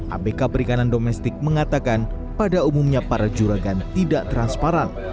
abk perikanan domestik mengatakan pada umumnya para juragan tidak transparan